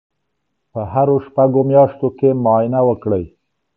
په هرو شپږو میاشتو کې معاینه وکړئ.